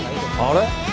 あれ？